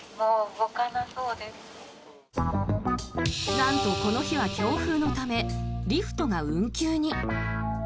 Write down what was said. なんとこの日は強風のためリフトが運休に。